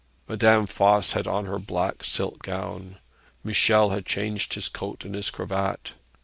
Madame Voss had on her black silk gown. Michel had changed his coat and his cravat.